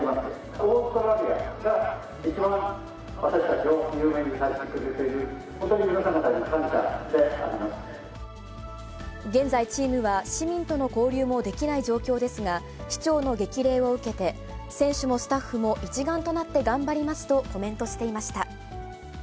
オーストラリアが一番、私たちを有名にさせてくれている、現在、チームは市民との交流もできない状況ですが、市長の激励を受けて、選手もスタッフも一丸となって頑張りますとコメントしていました。